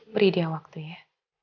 beri dia waktu ya